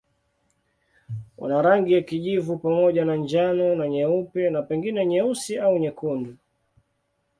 Wana rangi ya kijivu pamoja na njano na nyeupe na pengine nyeusi au nyekundu.